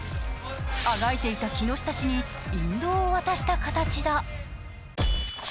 あがいていた木下氏に引導を渡した形だ。